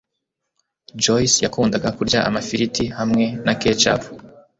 Joyce yakundaga kurya amafiriti hamwe na ketchup.